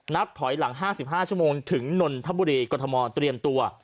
นับถอยหลัง๕๕ชั่วโมงถึงนนทบุรีกรทมเตรียมตัว